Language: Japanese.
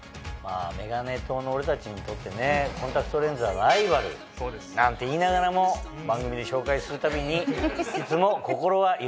メガネ党の俺たちにとってコンタクトレンズはライバルなんて言いながらも番組で紹介するたびに。